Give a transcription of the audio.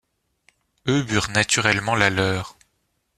Eux, burent naturellement la leur.